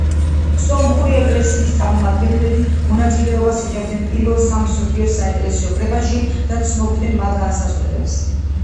სომხური ეკლესიის წარმომადგენლები მონაწილეობას იღებდნენ პირველ სამ მსოფლიო საეკლესიო კრებაში და ცნობდნენ მათ განსაზღვრებებს.